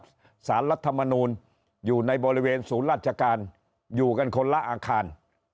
สารรัฐมนูลอยู่ในบริเวณศูนย์ราชการอยู่กันคนละอาคาร